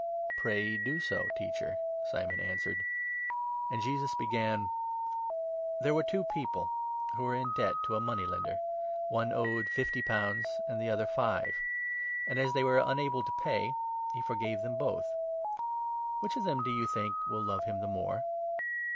" Pray do so, Teacher," Simon answered ; and Jesus began : 'There were two people who were in debt to a money lender ; 41 one owed fifty pounds, and the other five. As they were 42 unable to pay, he forg ave them both. Which of them, do you think, will love him the more